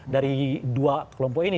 dari dua kelompok ini